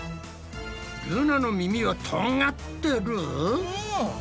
ルナの耳はとんがってる！？